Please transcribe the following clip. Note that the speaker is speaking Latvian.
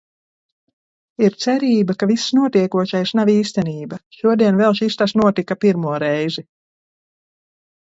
Ir cerība, ka viss notiekošais nav īstenība. Šodien vēl šis tas notika pirmo reizi.